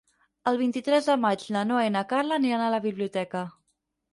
El vint-i-tres de maig na Noa i na Carla aniran a la biblioteca.